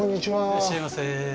いらっしゃいませ。